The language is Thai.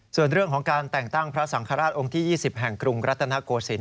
ส่วนเรื่องของการแต่งตั้งพระสังฆราชองค์ที่๒๐แห่งกรุงรัตนโกศิลป